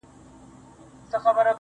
شراب نوشۍ کي مي له تا سره قرآن کړی دی.